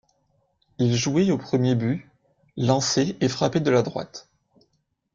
Il jouait au premier but, lançait et frappait de la droite.